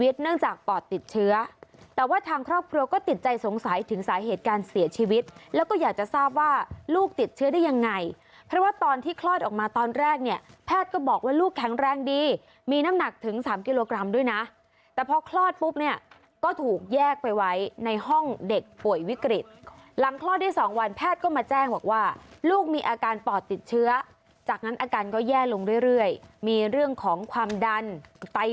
ติดเชื้อได้ยังไงเพราะว่าตอนที่คลอดออกมาตอนแรกเนี่ยแพทย์ก็บอกว่าลูกแข็งแรงดีมีน้ำหนักถึง๓กิโลกรัมด้วยนะแต่พอคลอดปุ๊บเนี่ยก็ถูกแยกไปไว้ในห้องเด็กป่วยวิกฤติหลังคลอดที่๒วันแพทย์ก็มาแจ้งบอกว่าลูกมีอาการปอดติดเชื้อจากนั้นอาการก็แย่ลงเรื่อยมีเรื่องของความดันไต